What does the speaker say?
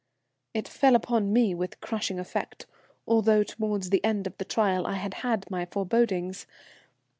"It fell upon me with crushing effect, although towards the end of the trial I had had my forebodings.